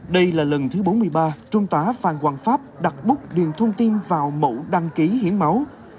đây là lần thứ bốn mươi ba trung tá phan quang pháp đặt búc điền thông tin vào mẫu đăng ký hiến máu